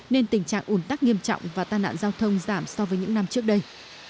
nên tình trạng ủn tắc nghiêm trọng và tai nạn giao thông giảm so với những năm trước đây